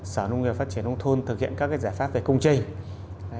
sở nông nghiệp phát triển nông thôn thực hiện các giải pháp về công trình